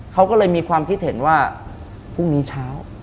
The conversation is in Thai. เขาก็เลยมีความคิดเห็นว่าพรุ่งนี้เช้า